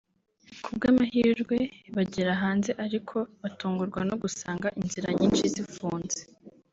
ku bw’amahirwe bagera hanze ariko batungurwa no gusanga inzira nyinshi zifunze